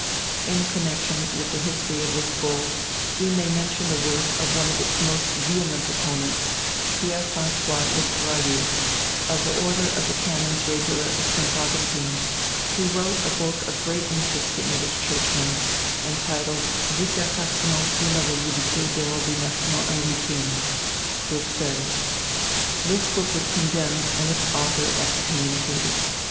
In connection with the history of this Bull we may mention the work of one of its most vehement opponents, Pierre François le Courayer, of the order of the canons regular of St. Augustine, who wrote a book of great interest to English churchmen, entitled Dissertation sur la validité des Ordinations Anglicanes (Bruxelles, 1723, 2 vols., in 12). This book was condemned and its author excommunicated.